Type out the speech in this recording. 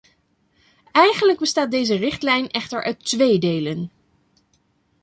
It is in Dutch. Eigenlijk bestaat deze richtlijn echter uit twee delen.